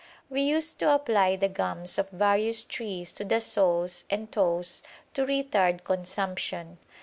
We used to apply the gums of various trees to the soles and toes to retard consumption.